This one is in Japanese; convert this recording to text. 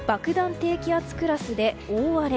低気圧クラスで大荒れ。